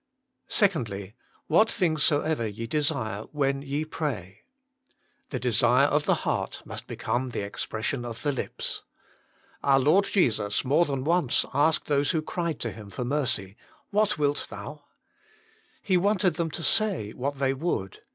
2. " What things soever ye desire when ye pray" The desire of the heart must become the expression of the lips. Our Lord Jesus more than once asked those who cried to Him for mercy, " What wilt thou ?" He wanted them to say what they would.